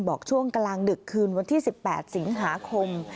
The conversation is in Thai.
ช่วงกลางดึกคืนวันที่๑๘สิงหาคม